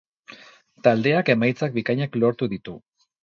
Taldeak emaitzak bikainak lortu ditu.